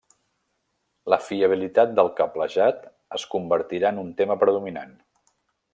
La fiabilitat del cablejat es convertirà en un tema predominant.